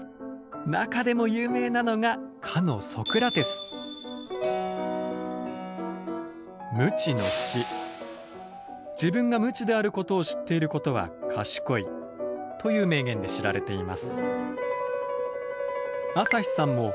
中でも有名なのがかの「自分が無知であることを知っていることは賢い」という名言で知られています。